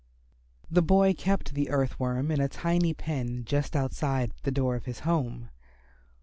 The boy kept the Earth Worm in a tiny pen just outside the door of his home.